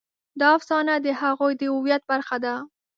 دا افسانه د هغوی د هویت برخه ده.